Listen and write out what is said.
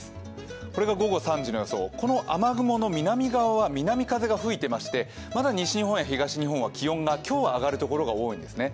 これが午後３時の予想、この雨雲の南側は南風が吹いていまして、まだ西日本や東日本は気温が今日上がるところが多いんですね。